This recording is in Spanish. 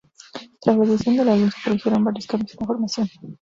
Tras la edición del álbum, se produjeron varios cambios en la formación.